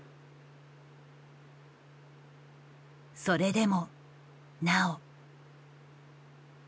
それでもなお。